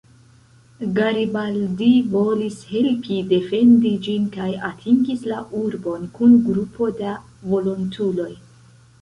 Garibaldi volis helpi defendi ĝin kaj atingis la urbon kun grupo da volontuloj.